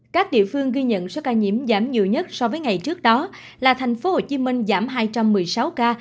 các địa phương ghi nhận số ca nhiễm giảm nhiều nhất so với ngày trước đó là thành phố hồ chí minh giảm hai trăm một mươi sáu ca